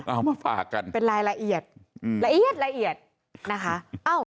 เอามาฝากกันเป็นรายละเอียดละเอียดละเอียดนะคะ